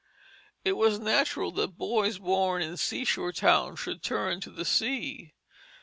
It was natural that boys born in seashore towns should turn to the sea.